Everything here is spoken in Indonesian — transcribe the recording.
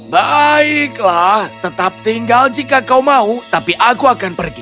baiklah tetap tinggal jika kau mau tapi aku akan pergi